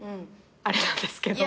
あれなんですけど。